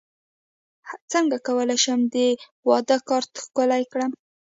څنګه کولی شم د واده کارت ښکلی کړم